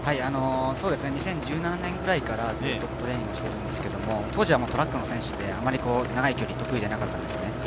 ２０１７年ぐらいからずっとトレーニングしてるんですけれども当時はトラックの選手であまり長い距離得意じゃなかったんですね。